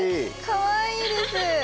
かわいいです。